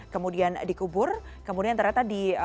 kemudian dikubur kemudian ternyata di